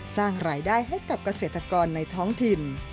สร้างรายได้ให้กับเกษตรกรในท้องถิ่น